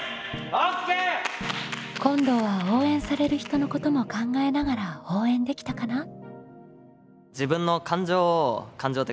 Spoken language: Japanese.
今度は応援される人のことも考えながら応援できたかな？